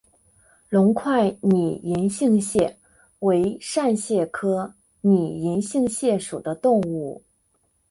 隆块拟银杏蟹为扇蟹科拟银杏蟹属的动物。